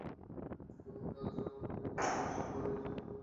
প্রথমে যাঁর ভাবনা থেকেই নামটা আসুক, পরে এটি হয়ে গেছে বিখ্যাত।